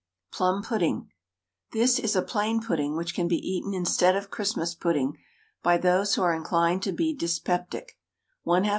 PLUM PUDDING. This is a plain pudding which can be eaten instead of Christmas pudding by those who are inclined to be dyspeptic 1/2 lb.